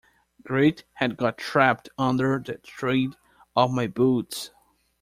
Grit had got trapped under the tread of my boots.